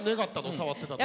触ってた時。